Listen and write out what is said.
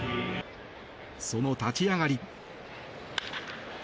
その立ち上がり。